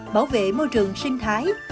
bảo vệ môi trường sinh thái